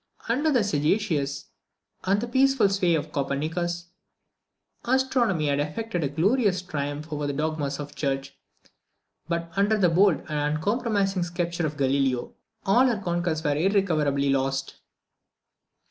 Under the sagacious and peaceful sway of Copernicus, astronomy had effected a glorious triumph over the dogmas of the Church; but under the bold and uncompromising sceptre of Galileo all her conquests were irrecoverably lost.